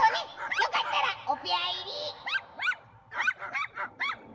よかったらおぴゃいり。